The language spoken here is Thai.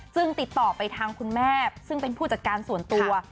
ติดต่อไปทางคุณแม่ซึ่งเป็นผู้จัดการส่วนตัว